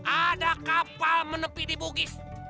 ada kapal menepi di bugis